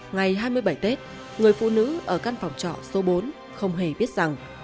ngày hai mươi bảy tết người phụ nữ ở căn phòng trọ số bốn không hề biết rằng